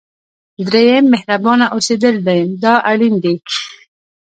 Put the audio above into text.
دریم مهربانه اوسېدل دی دا اړین دي.